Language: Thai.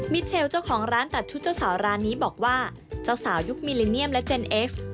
เชลเจ้าของร้านตัดชุดเจ้าสาวร้านนี้บอกว่าเจ้าสาวยุคมิลิเนียมและเจนเอส